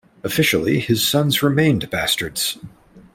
Officially his sons remained bastards.